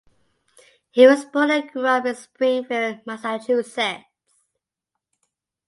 He was born and grew up in Springfield, Massachusetts.